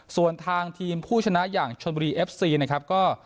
ส่วนทางทีมผู้ชนะอย่างชนบุรีเอฟซีนะครับก็